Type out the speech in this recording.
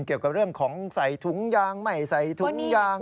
เกี่ยวกับเรื่องของใส่ถุงยางไม่ใส่ถุงยาง